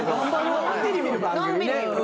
のんびり見る番組。